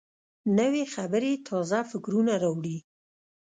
نوې خبرې تازه فکرونه راوړي